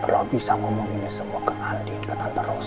lo bisa ngomonginnya semua ke andi ke tante ros